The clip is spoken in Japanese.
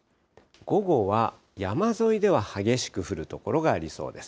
午後は、山沿いでは激しく降る所がありそうです。